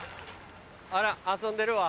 あら遊んでるわ。